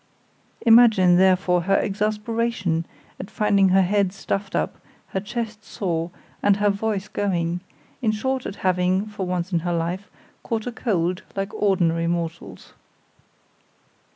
Imagine, therefore, her exasperation at finding her head stuffed up, her chest sore, and her voice going; in short, at having, for once in her life, caught a cold like ordinary mortals.